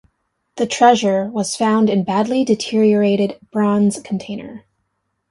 The treasure was found in badly deteriorated bronze container.